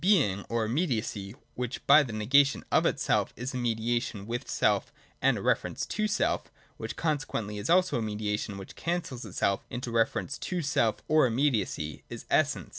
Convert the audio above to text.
— Being or imme diacy, which by the negation of itself is a mediation with self and a reference to self, — which consequently is also a mediation which cancels itself into reference to self, or immediacy, — is Essence.